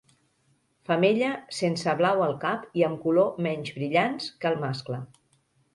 Femella sense blau al cap i amb color menys brillants que el mascle.